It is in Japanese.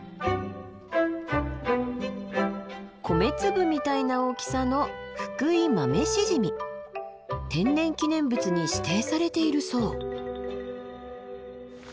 米粒みたいな大きさの天然記念物に指定されているそう。